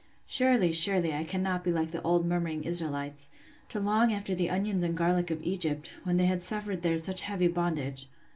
Surely, surely, I cannot be like the old murmuring Israelites, to long after the onions and garlick of Egypt, when they had suffered there such heavy bondage?